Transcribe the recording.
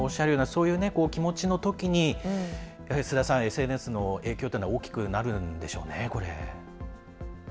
バービーさんがおっしゃるようなそういう気持ちのときにやっぱり須田さんＳＮＳの影響っていうのは大きくなるんでしょうね。